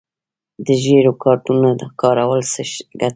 د ژیړو کارتونو کارول څه ګټه لري؟